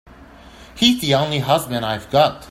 He's the only husband I've got.